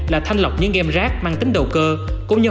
là thanh lọc những game rác mang tính đầu cơ